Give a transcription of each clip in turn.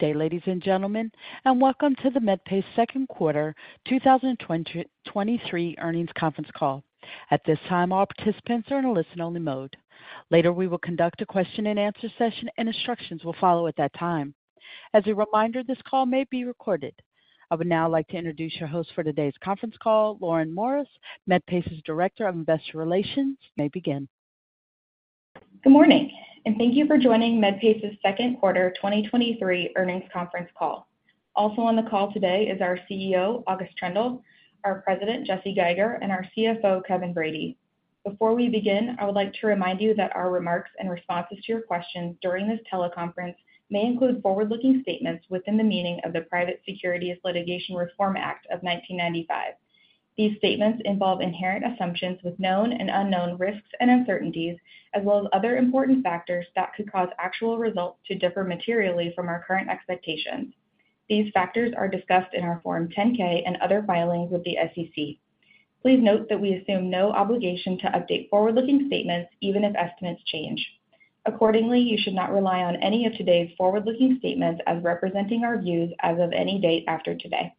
Good day, ladies and gentlemen, and welcome to the Medpace second quarter 2023 earnings conference call. At this time, all participants are in a listen-only mode. Later, we will conduct a question-and-answer session, and instructions will follow at that time. As a reminder, this call may be recorded. I would now like to introduce your host for today's conference call, Lauren Morris, Medpace's Director of Investor Relations. You may begin Good morning, thank you for joining Medpace's second quarter 2023 earnings conference call. Also on the call today is our CEO, August Troendle, our President, Jesse Geiger, and our CFO, Kevin Brady. Before we begin, I would like to remind you that our remarks and responses to your questions during this teleconference may include forward-looking statements within the meaning of the Private Securities Litigation Reform Act of 1995. These statements involve inherent assumptions with known and unknown risks and uncertainties, as well as other important factors that could cause actual results to differ materially from our current expectations. These factors are discussed in our Form 10-K and other filings with the SEC. Please note that we assume no obligation to update forward-looking statements, even if estimates change. Accordingly, you should not rely on any of today's forward-looking statements as representing our views as of any date after today.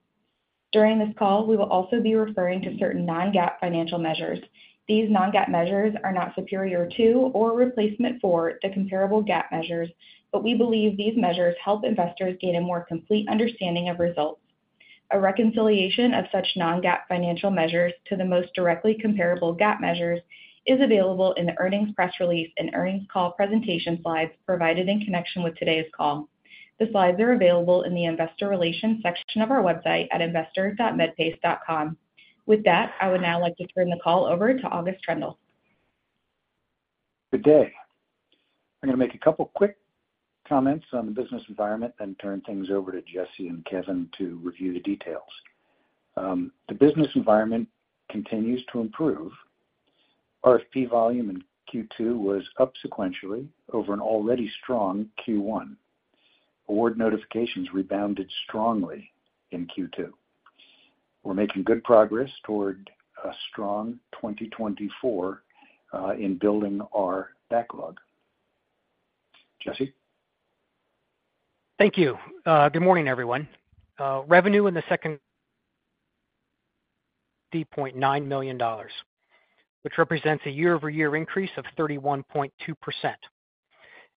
During this call, we will also be referring to certain non-GAAP financial measures. These non-GAAP measures are not superior to or replacement for the comparable GAAP measures, but we believe these measures help investors gain a more complete understanding of results. A reconciliation of such non-GAAP financial measures to the most directly comparable GAAP measures is available in the earnings press release and earnings call presentation slides provided in connection with today's call. The slides are available in the Investor Relations section of our website at investor.medpace.com. With that, I would now like to turn the call over to August Troendle. Good day. I'm going to make a couple of quick comments on the business environment, then turn things over to Jesse and Kevin to review the details. The business environment continues to improve. RFP volume in Q2 was up sequentially over an already strong Q1. Award notifications rebounded strongly in Q2. We're making good progress toward a strong 2024 in building our backlog. Jesse? Thank you. Good morning, everyone. Revenue in the second... $0.9 million, which represents a year-over-year increase of 31.2%.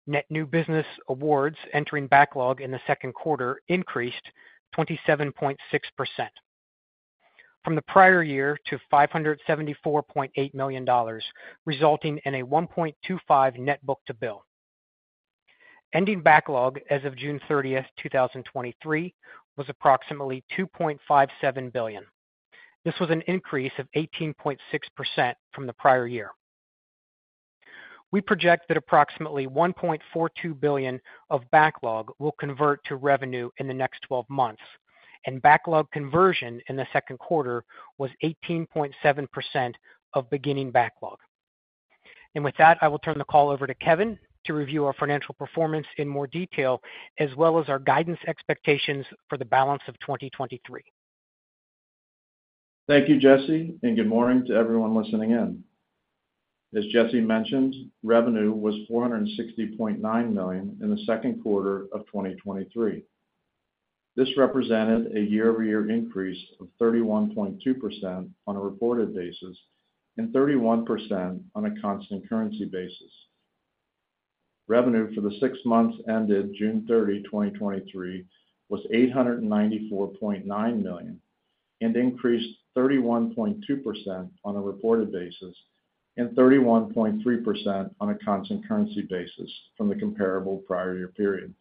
Net new business awards entering backlog in the second quarter increased 27.6%. From the prior year to $574.8 million, resulting in a 1.25 net book-to-bill. Ending backlog as of June 30th, 2023, was approximately $2.57 billion. This was an increase of 18.6% from the prior year. We project that approximately $1.42 billion of backlog will convert to revenue in the next 12 months, and backlog conversion in the second quarter was 18.7% of beginning backlog. With that, I will turn the call over to Kevin to review our financial performance in more detail, as well as our guidance expectations for the balance of 2023. Thank you, Jesse. Good morning to everyone listening in. As Jesse mentioned, revenue was $460.9 million in the second quarter of 2023. This represented a year-over-year increase of 31.2% on a reported basis and 31% on a constant currency basis. Revenue for the six months ended June 30, 2023, was $894.9 million and increased 31.2% on a reported basis and 31.3% on a constant currency basis from the comparable prior year period.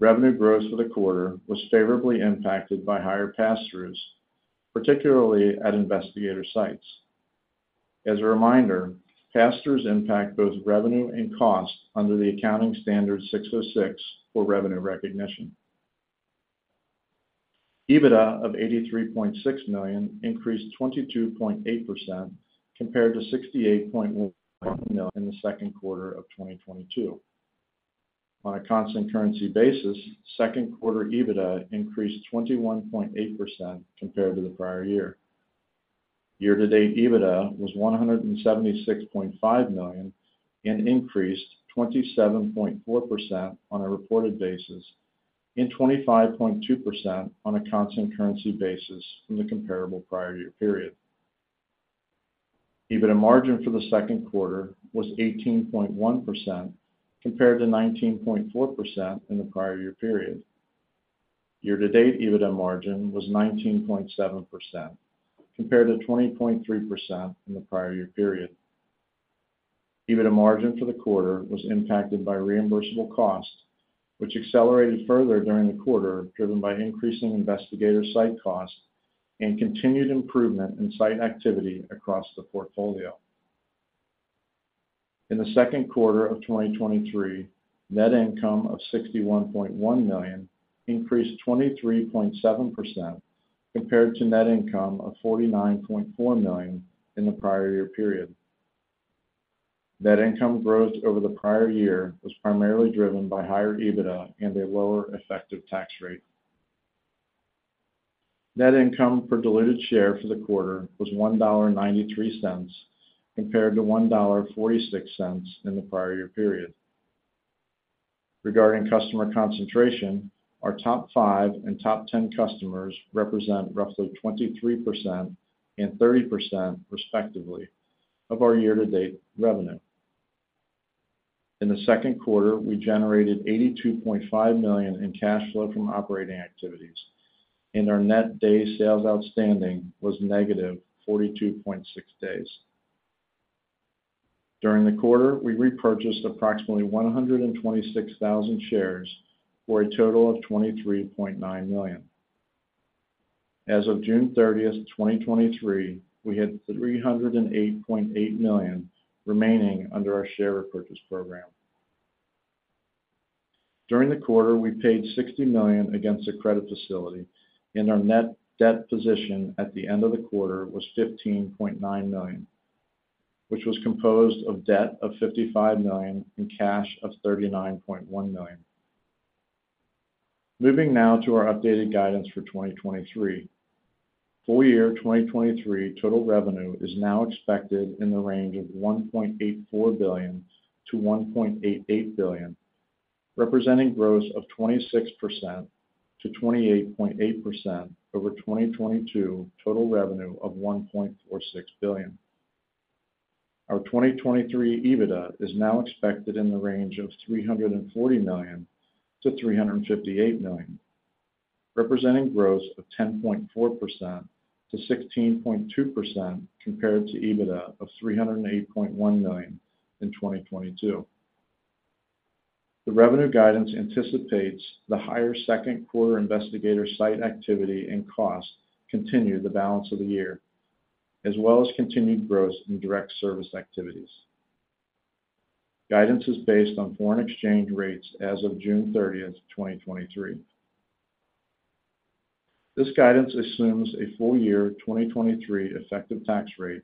Revenue growth for the quarter was favorably impacted by higher pass-throughs, particularly at investigator sites. As a reminder, pass-throughs impact both revenue and cost under ASC 606 for revenue recognition. EBITDA of $83.6 million increased 22.8% compared to $68.1 million in the second quarter of 2022. On a constant currency basis, second quarter EBITDA increased 21.8% compared to the prior year. Year-to-date EBITDA was $176.5 million and increased 27.4% on a reported basis and 25.2% on a constant currency basis from the comparable prior year period. EBITDA margin for the second quarter was 18.1%, compared to 19.4% in the prior year period. Year-to-date EBITDA margin was 19.7%, compared to 20.3% in the prior year period. EBITDA margin for the quarter was impacted by reimbursable costs, which accelerated further during the quarter, driven by increasing investigator site costs and continued improvement in site activity across the portfolio. In the second quarter of 2023, net income of $61.1 million increased 23.7% compared to net income of $49.4 million in the prior year period. Net income growth over the prior year was primarily driven by higher EBITDA and a lower effective tax rate. Net income per diluted share for the quarter was $1.93, compared to $1.46 in the prior year period. Regarding customer concentration, our top five and top ten customers represent roughly 23% and 30%, respectively, of our year-to-date revenue. In the second quarter, we generated $82.5 million in cash flow from operating activities, and our net day sales outstanding was -42.6 days. During the quarter, we repurchased approximately 126,000 shares for a total of $23.9 million. As of June 30th, 2023, we had $308.8 million remaining under our share repurchase program. During the quarter, we paid $60 million against the credit facility, and our net debt position at the end of the quarter was $15.9 million, which was composed of debt of $55 million and cash of $39.1 million. Moving now to our updated guidance for 2023. Full year 2023 total revenue is now expected in the range of $1.84 billion-$1.88 billion, representing growth of 26%-28.8% over 2022 total revenue of $1.46 billion. Our 2023 EBITDA is now expected in the range of $340 million-$358 million, representing growth of 10.4%-16.2% compared to EBITDA of $308.1 million in 2022. The revenue guidance anticipates the higher second quarter investigator site activity and cost continue the balance of the year, as well as continued growth in direct service activities. Guidance is based on foreign exchange rates as of June 30th, 2023. This guidance assumes a full year 2023 effective tax rate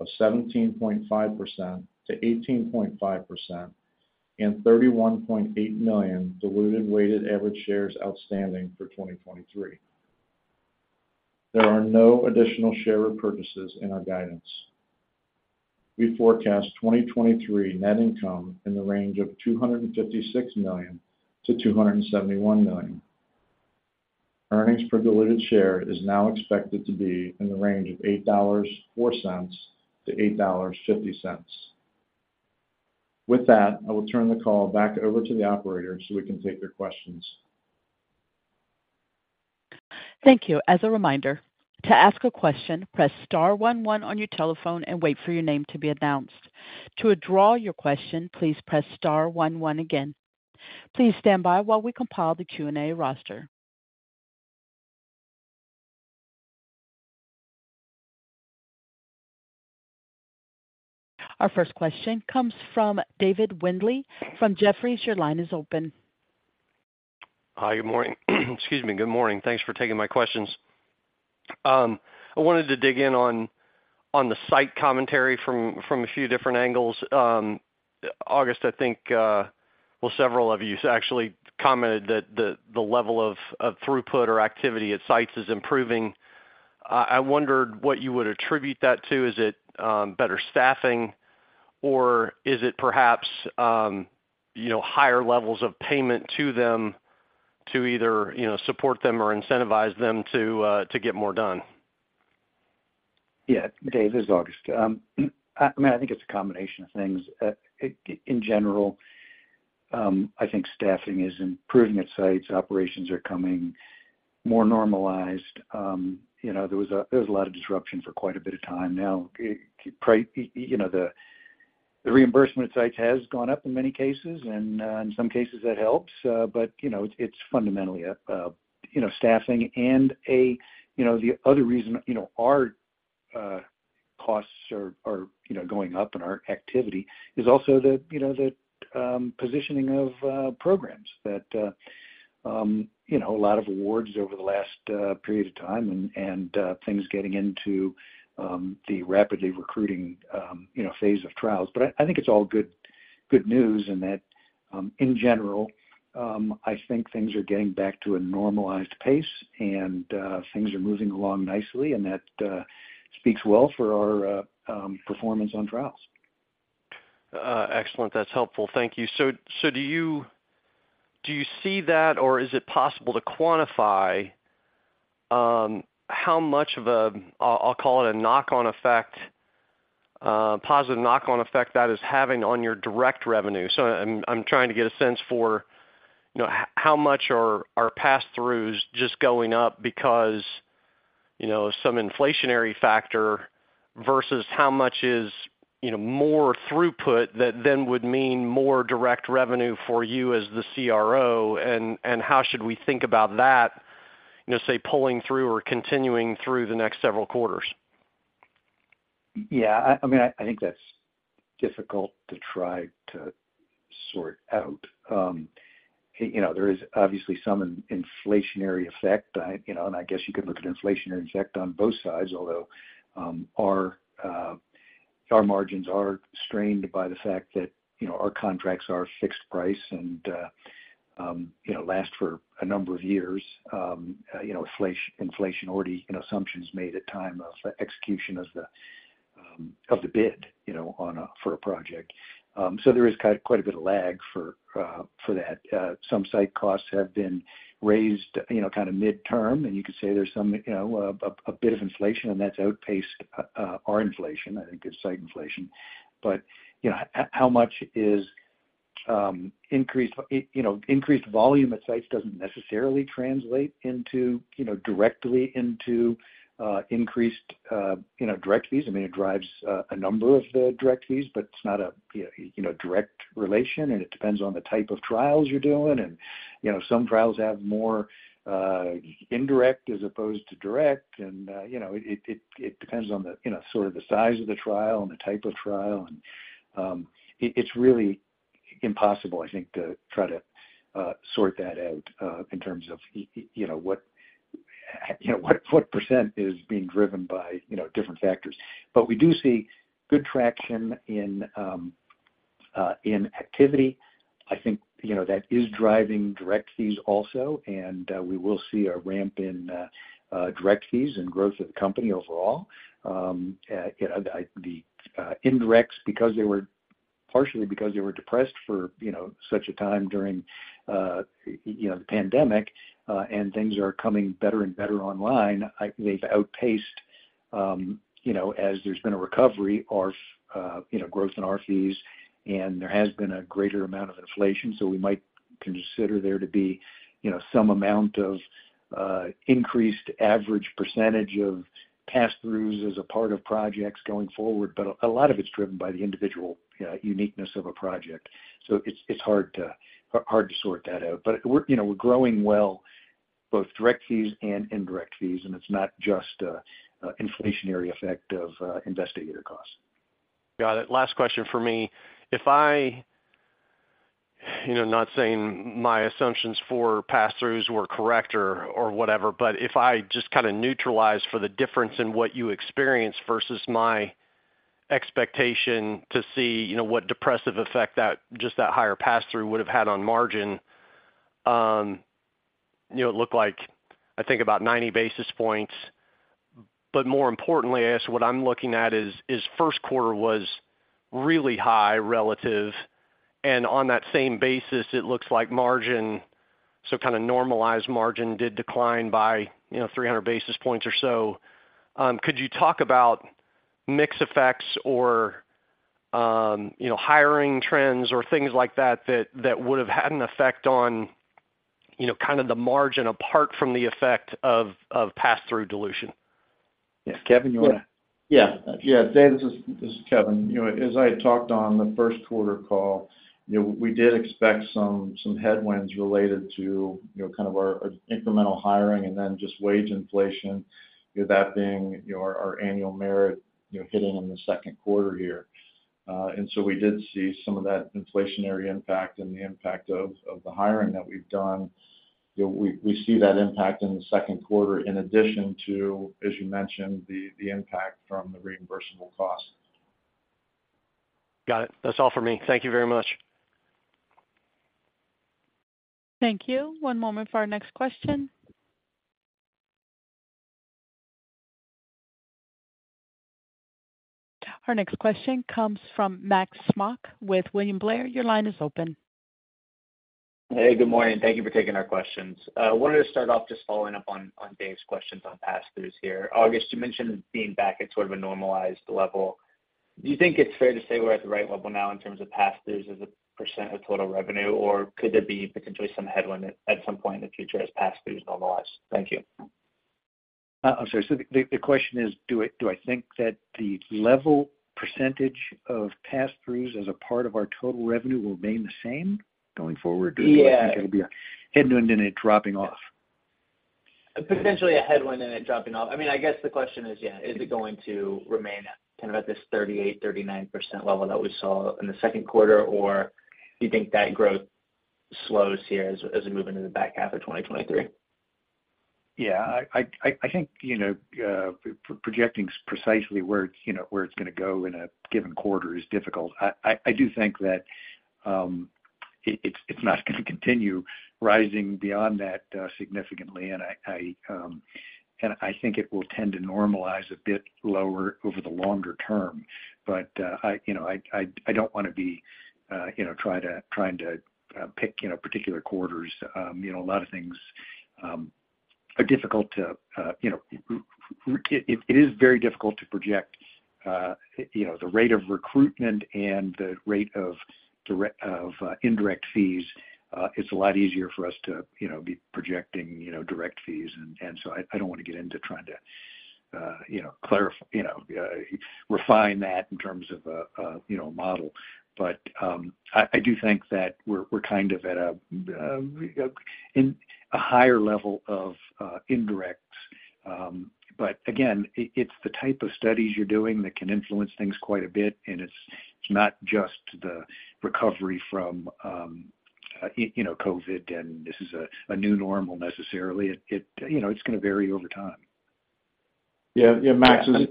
of 17.5%-18.5% and 31.8 million diluted weighted average shares outstanding for 2023. There are no additional share repurchases in our guidance. We forecast 2023 net income in the range of $256 million-$271 million. Earnings per diluted share is now expected to be in the range of $8.04-$8.50. With that, I will turn the call back over to the operator so we can take your questions. Thank you. As a reminder, to ask a question, press star one one on your telephone and wait for your name to be announced. To withdraw your question, please press star one one again. Please stand by while we compile the Q&A roster. Our first question comes from David Windley from Jefferies. Your line is open. Hi, good morning. Excuse me. Good morning. Thanks for taking my questions. I wanted to dig in on the site commentary from a few different angles. August, I think, well, several of you actually commented that the level of throughput or activity at sites is improving. I wondered what you would attribute that to. Is it better staffing, or is it perhaps, you know, higher levels of payment to them to either, you know, support them or incentivize them to get more done? Yeah, Dave, this is August. I mean, I think it's a combination of things. In general, I think staffing is improving at sites. Operations are coming more normalized. You know, there was a lot of disruption for quite a bit of time now. You know, the reimbursement at sites has gone up in many cases, and in some cases that helps. You know, it's fundamentally a, you know, staffing and a... You know, the other reason, you know, our costs are, you know, going up in our activity is also the, you know, the positioning of programs that, you know, a lot of awards over the last period of time and things getting into the rapidly recruiting, you know, phase of trials. I think it's all good news, and that, in general, I think things are getting back to a normalized pace and things are moving along nicely, and that speaks well for our performance on trials. Excellent. That's helpful. Thank you. Do you see that, or is it possible to quantify how much of a, I'll call it a knock-on effect, positive knock-on effect that is having on your direct revenue? I'm trying to get a sense for, you know, how much are pass-throughs just going up because, you know, some inflationary factor, versus how much is, you know, more throughput that then would mean more direct revenue for you as the CRO, and how should we think about that, you know, say, pulling through or continuing through the next several quarters? Yeah, I mean, I think that's difficult to try to sort out. You know, there is obviously some inflationary effect. I, you know, and I guess you could look at inflationary effect on both sides, although our margins are strained by the fact that, you know, our contracts are fixed price and, you know, last for a number of years. You know, inflation already, you know, assumptions made at time of execution of the bid, you know, for a project. There is quite a bit of lag for that. Some site costs have been raised, you know, kind of midterm, and you could say there's some, you know, a bit of inflation, and that's outpaced our inflation. I think it's site inflation. You know, how much is increased? You know, increased volume at sites doesn't necessarily translate into, you know, directly into increased, you know, direct fees. I mean, it drives a number of the direct fees, but it's not a, you know, direct relation, and it depends on the type of trials you're doing. You know, some trials have more indirect as opposed to direct. You know, it, it depends on the, you know, sort of the size of the trial and the type of trial. It, it's really impossible, I think, to try to sort that out in terms of, you know, what, you know, what percentage is being driven by, you know, different factors. We do see good traction in activity. I think, you know, that is driving direct fees also. We will see a ramp in direct fees and growth of the company overall. The indirects, because they were partially because they were depressed for, you know, such a time during, you know, the pandemic, and things are coming better and better online, they've outpaced, you know, as there's been a recovery or, you know, growth in our fees, and there has been a greater amount of inflation. We might consider there to be, you know, some amount of increased average percentage of pass-throughs as a part of projects going forward. A lot of it's driven by the individual uniqueness of a project. It's hard to sort that out. We're, you know, we're growing well, both direct fees and indirect fees, and it's not just a inflationary effect of investigator costs. Got it. Last question for me. If I. You know, not saying my assumptions for pass-throughs were correct or whatever, but if I just kind of neutralize for the difference in what you experienced versus my expectation to see, you know, what depressive effect that, just that higher pass-through would have had on margin, you know, it looked like, I think about 90 basis points. More importantly, I guess what I'm looking at is first quarter was really high relative, and on that same basis, it looks like margin, so kind of normalized margin did decline by, you know, 300 basis points or so. Could you talk about mix effects or, you know, hiring trends or things like that would have had an effect on, you know, kind of the margin, apart from the effect of pass-through dilution? Yes. Kevin, you want to- Yeah, Dave, this is Kevin. You know, as I talked on the first quarter call, you know, we did expect some headwinds related to, you know, kind of our incremental hiring and then just wage inflation, with that being, you know, our annual merit, you know, hitting in the second quarter here. So we did see some of that inflationary impact and the impact of the hiring that we've done. You know, we see that impact in the second quarter in addition to, as you mentioned, the impact from the reimbursable costs. Got it. That's all for me. Thank you very much. Thank you. One moment for our next question. Our next question comes from Max Smock with William Blair. Your line is open. Hey, good morning. Thank you for taking our questions. Wanted to start off just following up on Dave's questions on pass-throughs here. August, you mentioned being back at sort of a normalized level. Do you think it's fair to say we're at the right level now in terms of pass-throughs as a percentage of total revenue, or could there be potentially some headwind at some point in the future as pass-throughs normalize? Thank you. I'm sorry. The question is, do I think that the level percentage of pass-throughs as a part of our total revenue will remain the same going forward? Yeah. Do I think it'll be a headwind and a dropping off? Potentially a headwind and a dropping off. I mean, I guess the question is, yeah, is it going to remain at, kind of at this 38%, 39% level that we saw in the second quarter, or do you think that growth slows here as we move into the back half of 2023? Yeah, I think, you know, projecting precisely where, you know, where it's going to go in a given quarter is difficult. I do think that it's not going to continue rising beyond that significantly. I think it will tend to normalize a bit lower over the longer term. I, you know, I don't want to be, you know, trying to pick, you know, particular quarters. You know, a lot of things are difficult to, you know. It is very difficult to project, you know, the rate of recruitment and the rate of indirect fees. It's a lot easier for us to, you know, be projecting, you know, direct fees. I don't want to get into trying to, you know, refine that in terms of a, you know, a model. I do think that we're kind of at a in a higher level of indirects. Again, it's the type of studies you're doing that can influence things quite a bit, and it's not just the recovery from, you know, COVID, and this is a new normal necessarily. It, you know, it's gonna vary over time. Yeah. Yeah, Max, as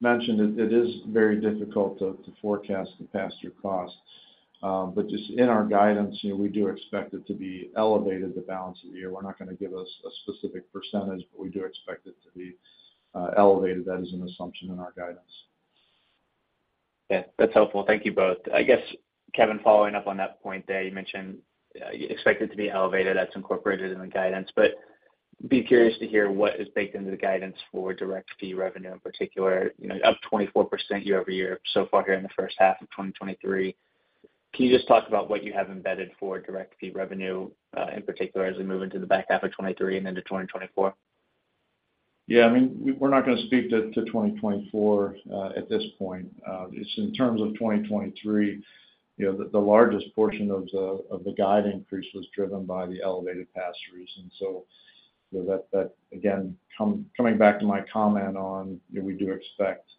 mentioned, it is very difficult to forecast the pass-through costs. Just in our guidance, you know, we do expect it to be elevated the balance of the year. We're not gonna give a specific percentage, but we do expect it to be elevated. That is an assumption in our guidance. Yeah, that's helpful. Thank you both. I guess, Kevin, following up on that point there, you mentioned, you expect it to be elevated. That's incorporated in the guidance, but be curious to hear what is baked into the guidance for direct fee revenue, in particular, you know, up 24% year-over-year so far here in the first half of 2023. Can you just talk about what you have embedded for direct fee revenue, in particular, as we move into the back half of 2023 and then to 2024? Yeah, I mean, we're not gonna speak to 2024 at this point. Just in terms of 2023, you know, the largest portion of the guide increase was driven by the elevated pass-throughs. You know, that, again, coming back to my comment on, you know, we do expect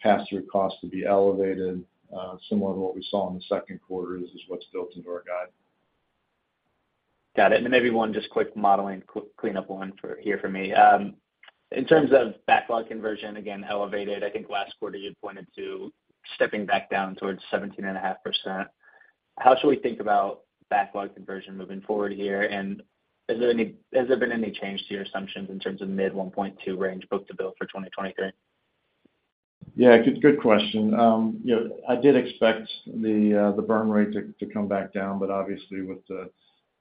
pass-through costs to be elevated, similar to what we saw in the second quarter, is what's built into our guide. Got it. Maybe one just quick modeling cleanup one for here for me. In terms of backlog conversion, again, elevated, I think last quarter you pointed to stepping back down towards 17.5%. How should we think about backlog conversion moving forward here? Has there been any change to your assumptions in terms of mid-1.2 range book-to-bill for 2023? Yeah, good question. You know, I did expect the burn rate to come back down, but obviously with the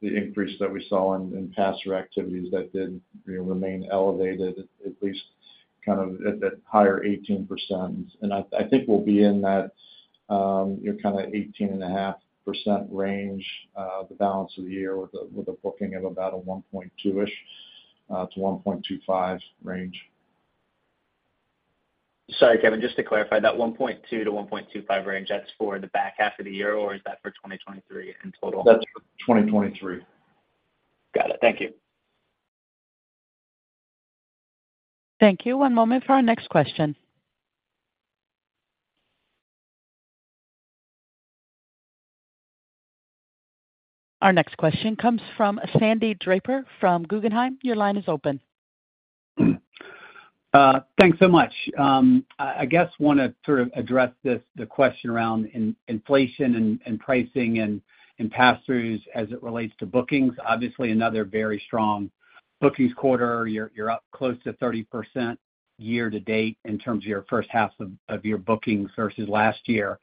increase that we saw in pass-through activities, that did, you know, remain elevated, at least kind of at that higher 18%. I think we'll be in that, you know, kind of 18.5% range the balance of the year with a booking of about a 1.2-ish to 1.25 range. Sorry, Kevin, just to clarify, that 1.2-1.25 range, that's for the back half of the year, or is that for 2023 in total? That's for 2023. Got it. Thank you. Thank you. One moment for our next question. Our next question comes from Sandy Draper from Guggenheim. Your line is open. Thanks so much. I guess want to sort of address this, the question around inflation and pricing and pass-throughs as it relates to bookings. Obviously, another very strong bookings quarter. You're up close to 30% year to date in terms of your first half of your bookings versus last year.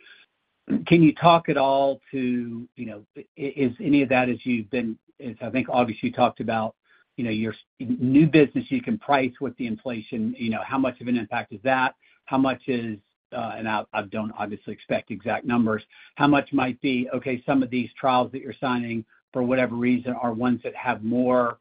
Can you talk at all to, you know, is any of that as you've been? I think, obviously, you talked about, you know, your new business, you can price with the inflation. You know, how much of an impact is that? How much is, and I don't obviously expect exact numbers, how much might be, okay, some of these trials that you're signing, for whatever reason, are ones that have more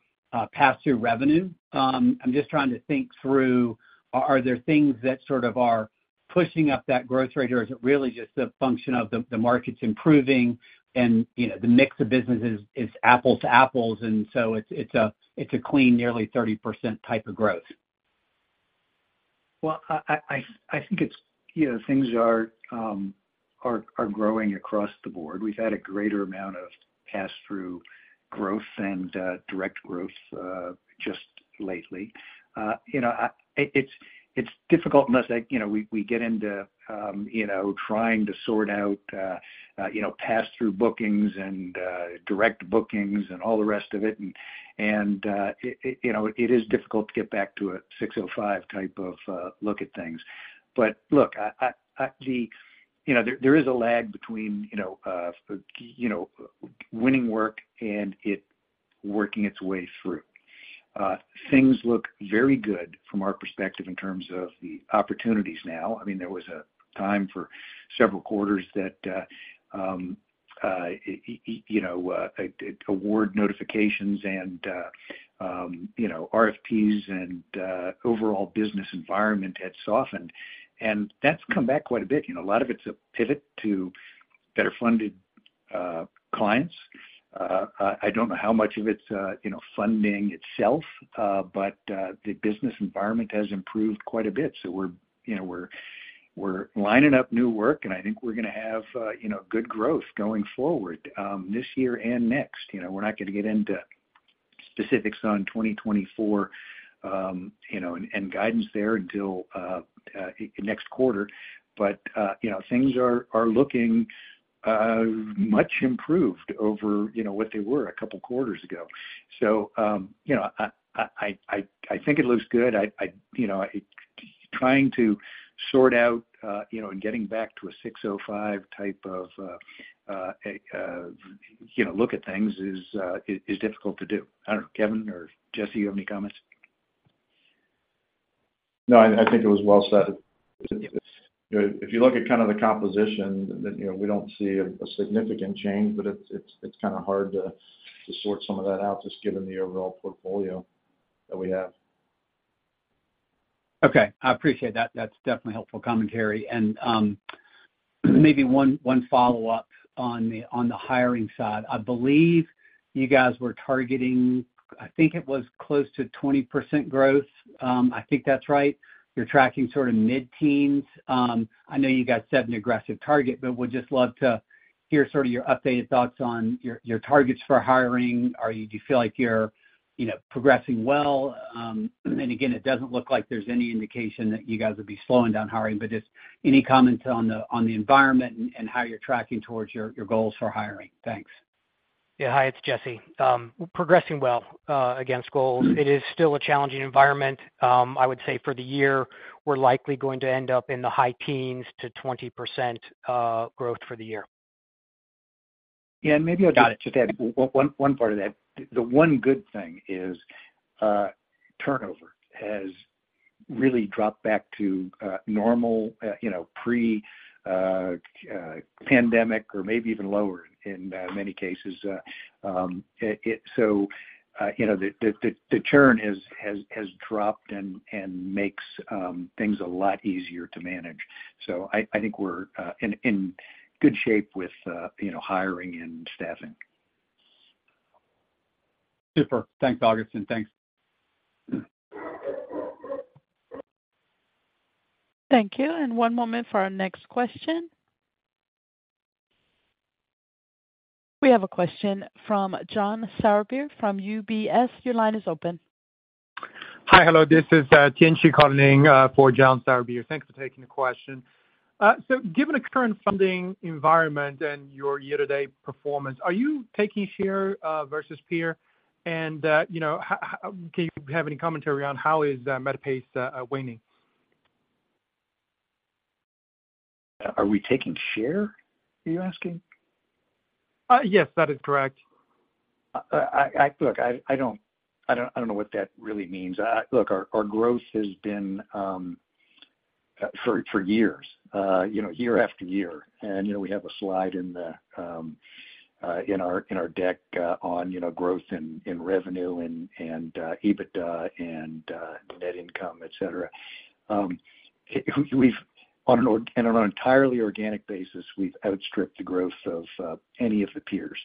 pass-through revenue? I'm just trying to think through, are there things that sort of are pushing up that growth rate, or is it really just a function of the markets improving and, you know, the mix of businesses is apples to apples, and so it's a clean, nearly 30% type of growth? Well, I, I think it's, you know, things are growing across the board. We've had a greater amount of pass-through growth and direct growth just lately. You know, it's difficult unless, you know, we get into, you know, trying to sort out, you know, pass-through bookings and direct bookings and all the rest of it. It, you know, it is difficult to get back to a 605 type of look at things. Look, I, I, you know, there is a lag between, you know, winning work and it working its way through. Things look very good from our perspective in terms of the opportunities now. I mean, there was a time for several quarters that, you know, award notifications and, you know, RFPs and, overall business environment had softened, and that's come back quite a bit. You know, a lot of it's a pivot to better-funded clients. I don't know how much of it's, you know, funding itself, but the business environment has improved quite a bit. We're, you know, we're lining up new work, and I think we're gonna have, you know, good growth going forward, this year and next. You know, we're not gonna get into specifics on 2024, you know, and guidance there until next quarter. Things are looking much improved over, you know, what they were a couple quarters ago. You know, I think it looks good. I, you know, trying to sort out, you know, and getting back to a 605 type of, you know, look at things is difficult to do. I don't know, Kevin or Jesse, you have any comments? No, I think it was well said. You know, if you look at kind of the composition, then, you know, we don't see a significant change, but it's kind of hard to sort some of that out, just given the overall portfolio that we have. Okay, I appreciate that. That's definitely helpful commentary. Maybe one follow-up on the hiring side. You guys were targeting, I think it was close to 20% growth. I think that's right. You're tracking sort of mid-teens. I know you guys set an aggressive target, but would just love to hear sort of your updated thoughts on your targets for hiring. Do you feel like you're, you know, progressing well? It doesn't look like there's any indication that you guys would be slowing down hiring, but just any comments on the environment and how you're tracking towards your goals for hiring? Thanks. Yeah. Hi, it's Jesse. Progressing well, against goals. It is still a challenging environment. I would say for the year, we're likely going to end up in the high teens to 20% growth for the year. Maybe I'll just add one part of that. The one good thing is, turnover has really dropped back to normal, you know, pre pandemic or maybe even lower in many cases. You know, the churn has dropped and makes things a lot easier to manage. I think we're in good shape with, you know, hiring and staffing. Super. Thanks, August. Thanks. Thank you. One moment for our next question. We have a question from John Sourbeer from UBS. Your line is open. Hi. Hello, this is Tienchi calling for John Sourbeer. Thanks for taking the question. Given the current funding environment and your year-to-date performance, are you taking share versus peer? you know, do you have any commentary on how is Medpace waning? Are we taking share, are you asking? Yes, that is correct. I look, I don't know what that really means. Look, our growth has been for years, you know, year after year. You know, we have a slide in the in our deck on, you know, growth in revenue and EBITDA and net income, et cetera. We've, on an entirely organic basis, we've outstripped the growth of any of the peers.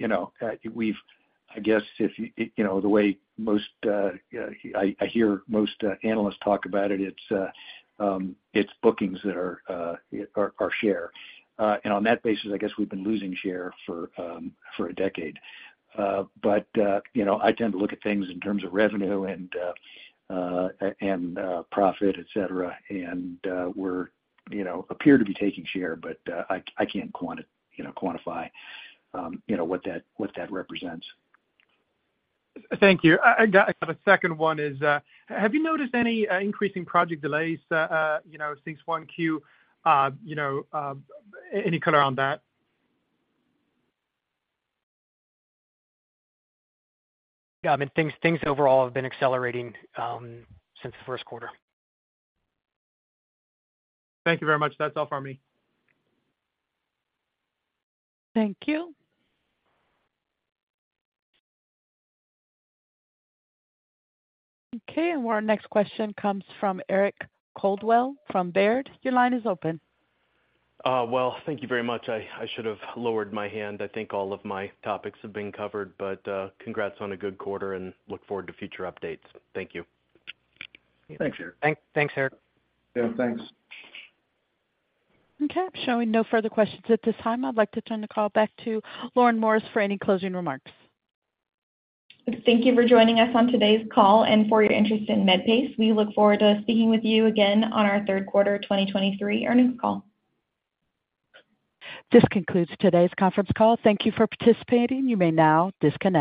You know, we've I guess if, you know, the way most I hear most analysts talk about it's bookings that are share. On that basis, I guess we've been losing share for a decade. You know, I tend to look at things in terms of revenue and profit, et cetera, and, we're, you know, appear to be taking share, but, I can't quantify, you know, what that, what that represents. Thank you. I got a second one, is, have you noticed any increasing project delays, you know, since 1Q? You know, any color on that? Yeah, I mean, things overall have been accelerating, since the first quarter. Thank you very much. That's all for me. Thank you. Okay. Our next question comes from Eric Coldwell, from Baird. Your line is open. Well, thank you very much. I should have lowered my hand. I think all of my topics have been covered, but, congrats on a good quarter and look forward to future updates. Thank you. Thanks, Eric. Thanks, Eric. Yeah, thanks. Okay, showing no further questions at this time. I'd like to turn the call back to Lauren Morris for any closing remarks. Thank you for joining us on today's call and for your interest in Medpace. We look forward to speaking with you again on our third quarter 2023 earnings call. This concludes today's conference call. Thank you for participating. You may now disconnect.